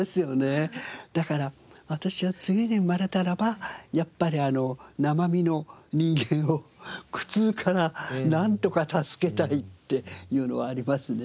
だから私は次に生まれたらばやっぱり生身の人間を苦痛からなんとか助けたいっていうのはありますね。